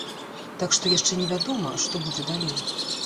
Так што яшчэ невядома, што будзе далей.